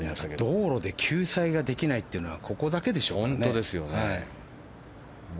道路で救済ができないっていうのはここだけでしょ。